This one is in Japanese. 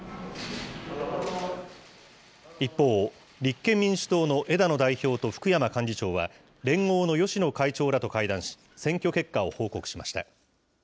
一方、立憲民主党の枝野代表と福山幹事長は、連合の芳野会長らと会談し、選挙結果を報告しました。